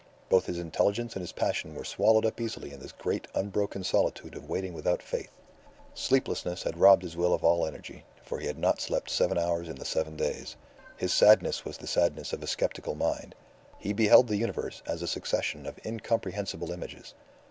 Both his intelligence and his passion were swallowed up easily in this great unbroken solitude of waiting without faith. Sleeplessness had robbed his will of all energy, for he had not slept seven hours in the seven days. His sadness was the sadness of a sceptical mind. He beheld the universe as a succession of incomprehensible images.